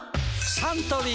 サントリー